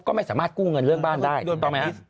ก็ไม่สามารถกู้เงินเรื่องบ้านได้ถูกต้องไหม